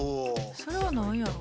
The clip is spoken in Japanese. それは何やろ。